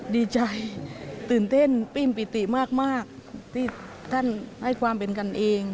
ดีใจตื่นเต้นปิ้มปิติมากที่ท่านให้ความเป็นกันเอง